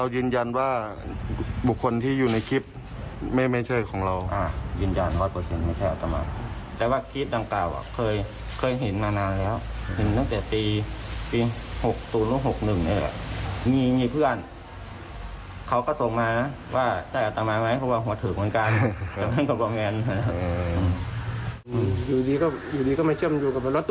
อยู่ดีก็ว่าเชื่อมโยงกับเราตกใจมั๊ย